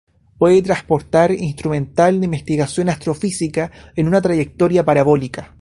Puede transportar instrumental de investigación astrofísica en una trayectoria parabólica.